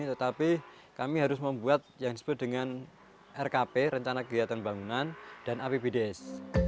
tetapi kami harus membuat yang disebut dengan rkp rencana kegiatan pembangunan dan apbdes